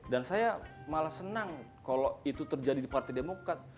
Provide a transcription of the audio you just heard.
dan saya malah senang kalau itu terjadi di partai demokrat